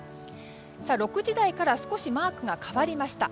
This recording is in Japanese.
６時台から少しマークが変わりました。